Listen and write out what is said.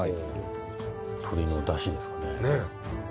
鶏のだしですかね。